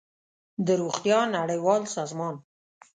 د روغتیا نړیوال سازمان